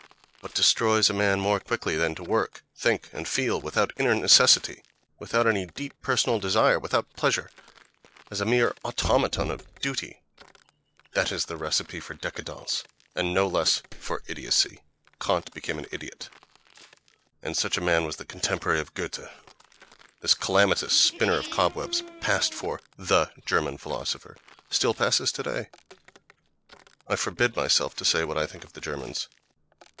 What destroys a man more quickly than to work, think and feel without inner necessity, without any deep personal desire, without pleasure—as a mere automaton of duty? That is the recipe for décadence, and no less for idiocy.... Kant became an idiot.—And such a man was the contemporary of Goethe! This calamitous spinner of cobwebs passed for the German philosopher—still passes today!... I forbid myself to say what I think of the Germans....